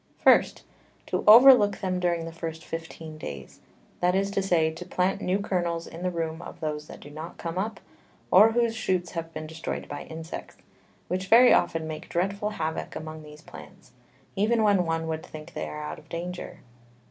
First, To over look them during the first fifteen Days; that is to say, to plant new Kernels in the room of those that do not come up, or whose Shoots have been destroy'd by Insects, which very often make dreadful Havock among these Plants, even when one would think they are out of danger.